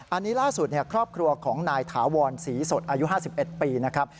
อันนี้ล่าสุดครอบครัวของนายถาวรศรีสดอายุ๕๑ปีนะครับ